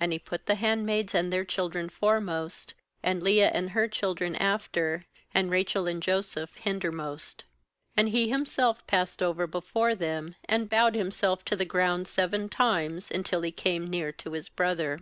2And he put the hand maids and their children foremost, and Leah and her children after, and Rachel and Joseph hindermost. 3And he himself passed over before them, and bowed himself to the ground seven times, until he came near to his brother.